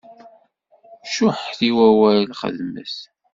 Cuḥḥet i wawal, xedmet!